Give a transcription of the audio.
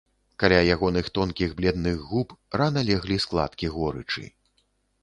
Каля ягоных тонкіх бледных губ рана леглі складкі горычы.